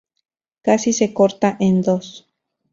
Casi se corta en dos.